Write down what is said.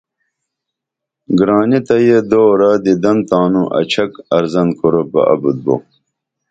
گرانی تہ یہ دورہ دیدن تانوں اچھک ارزن کُروپ بہ ابُت بو